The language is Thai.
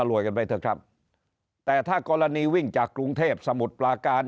รวยกันไปเถอะครับแต่ถ้ากรณีวิ่งจากกรุงเทพสมุทรปลาการ